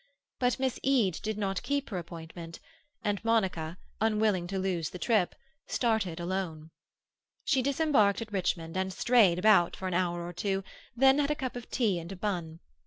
But Miss Eade did not keep her appointment, and Monica, unwilling to lose the trip, started alone. She disembarked at Richmond and strayed about for an hour or two, then had a cup of tea and a bun.